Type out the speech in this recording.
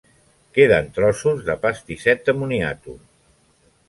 Queden trossos de pastisset de moniato.